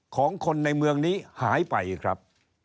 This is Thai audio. ของคนในเมืองนี้หายไปครับ